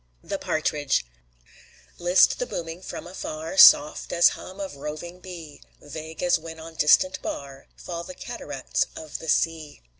THE PARTRIDGE List the booming from afar, Soft as hum of roving bee, Vague as when on distant bar Fall the cataracts of the sea.